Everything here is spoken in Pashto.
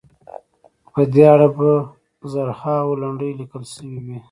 په دې اړه به زرهاوو لنډۍ لیکل شوې وي.